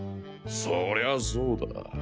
そりゃあそうだ。